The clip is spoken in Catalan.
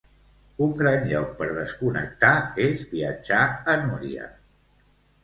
Un gran lloc per desconnectar és viatjar a Núria.